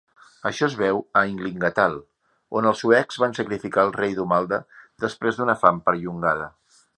Això es veu a "Ynglingatal", on els suecs van sacrificar el rei Domalde després d'una fam perllongada.